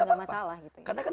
kalau gak yakin ya jangan